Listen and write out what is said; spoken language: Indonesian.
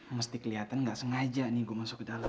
mesti kelihatan nggak sengaja nih gue masuk ke dalam